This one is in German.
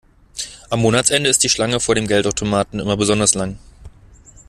Am Monatsende ist die Schlange vor dem Geldautomaten immer besonders lang.